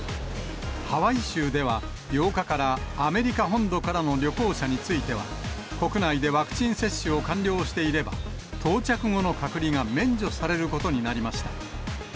ハワイ州では、８日から、アメリカ本土からの旅行者については、国内でワクチン接種を完了していれば、到着後の隔離が免除されることになりました。